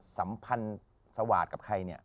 สัมพันธ์สวาสตร์กับใครเนี่ย